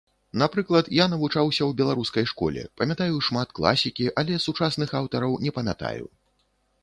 Напрыклад, я навучаўся ў беларускай школе, памятаю шмат класікі, але сучасных аўтараў не памятаю.